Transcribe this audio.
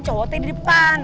cowoknya di depan